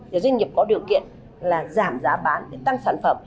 doanh nghiệp có điều kiện là giảm giá bán tăng sản phẩm